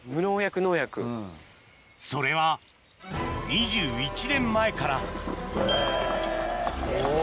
それは２１年前からうわ。